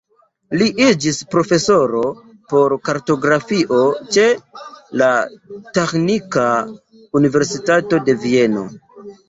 Li iĝis profesoro por kartografio ĉe la Teĥnika Universitato de Vieno.